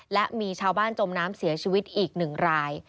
และมีชาวบ้านจมน้ำเสียชีวิตอีก๑ราย